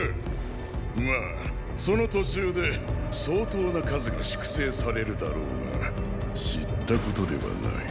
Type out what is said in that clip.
まァその途中で相当な数が粛清されるだろうが知ったことではない。